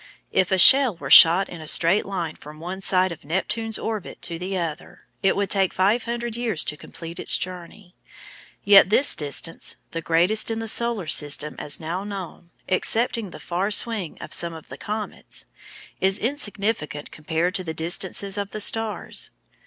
If a shell were shot in a straight line from one side of Neptune's orbit to the other it would take five hundred years to complete its journey. Yet this distance, the greatest in the Solar System as now known (excepting the far swing of some of the comets), is insignificant compared to the distances of the stars.